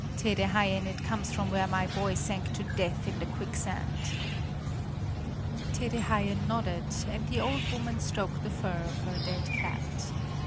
Tede Haien, it comes from where my boy sank to death in the quicksand!" Tede Haien nodded, and the old woman stroked the fur of her dead cat.